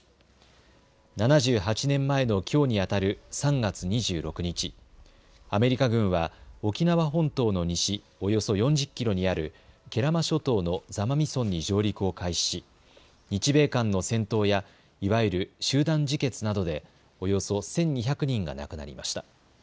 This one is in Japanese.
７８年前のきょうにあたる３月２６日、アメリカ軍は沖縄本島の西およそ４０キロにある慶良間諸島の座間味村に上陸を開始し日米間の戦闘やいわゆる集団自決などでおよそ１２００人が亡くなりました。